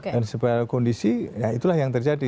dan seberapa kondisi ya itulah yang terjadi